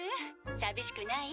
さびしくない？」